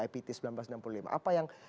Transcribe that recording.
ipt seribu sembilan ratus enam puluh lima apa yang